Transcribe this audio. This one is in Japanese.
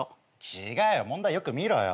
違うよ問題よく見ろよ。